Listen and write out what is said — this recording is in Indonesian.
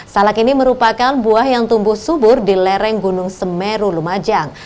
salak ini merupakan buah yang tumbuh subur di lereng gunung semeru lumajang